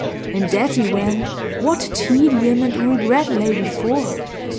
In that event, what tedium and regret lay before her!